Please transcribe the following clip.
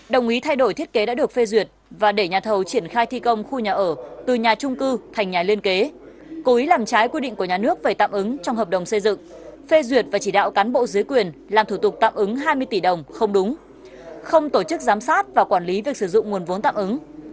đồng ý thay đổi thiết kế đã được phê duyệt và để nhà thầu triển khai thi công khu nhà ở từ nhà trung cư thành nhà liên kế cố ý làm trái quy định của nhà nước về tạm ứng trong hợp đồng xây dựng phê duyệt và chỉ đạo cán bộ dưới quyền làm thủ tục tạm ứng hai mươi tỷ đồng không đúng không tổ chức giám sát và quản lý việc sử dụng nguồn vốn tạm ứng